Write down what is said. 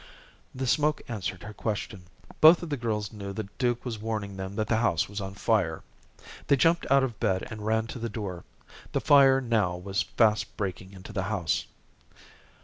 The smoke answered her question. Both of the girls knew that Duke was warning them that the house was on fire. They jumped out of bed, and ran to the door. The fire now was fast breaking into the house.